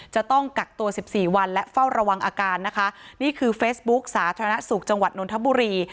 จะต้องกักตัวสิบสี่วันและเฝ้าระวังอาการนะคะนี่คือเฟซบุ๊คสาธารณสุขจังหวัดนนทบุรี